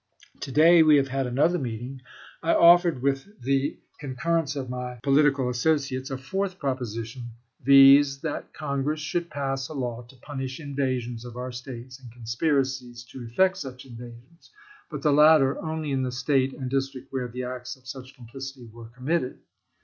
To day we have had another meeting. I offered, with the concurrence of my political associates, a fourth propo THE PRESIDENT ELECT 263 sition, viz. : That Congress should pass a law to punish chap. xvi. invasions of our States and conspiracies to effect such invasions, but the latter only in the State and district where the acts of such complicity were committed.